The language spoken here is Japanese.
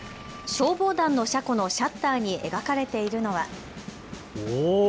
消防団の車庫のシャッターに描かれているのは。